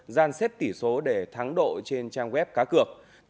gian xếp tỷ số để thắng độ trên trang web cá cược